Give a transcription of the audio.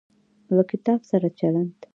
له کتاب سره چلند